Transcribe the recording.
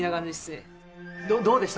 どうでした？